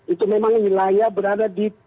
itu memang wilayah berada di